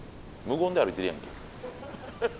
無言で歩いてるやんけ。